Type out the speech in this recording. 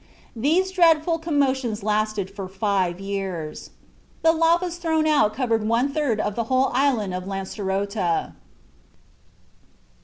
These dreadful commotions lasted for five years. The lavas thrown out covered one third of the whole island of Lancerota.